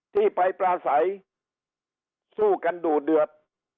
ที่ไปประสัยสู้กันดูเดือด